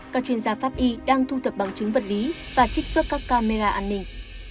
các chuyên gia pháp y đang thu thập bằng chứng vật lý và trích xuất các camera an ninh